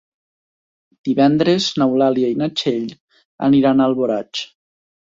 Divendres n'Eulàlia i na Txell aniran a Alboraig.